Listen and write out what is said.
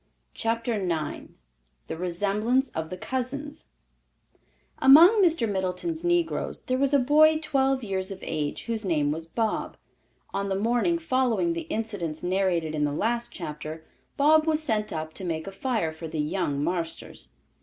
CHAPTER IX THE RESEMBLANCE OF THE COUSINS Among Mr. Middleton's negroes there was a boy twelve years of age whose name was Bob. On the morning following the incidents narrated in the last chapter, Bob was sent up to make a fire for "the young marsters."